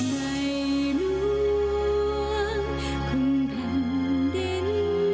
ไม่ล้วงคุณแผ่นดิน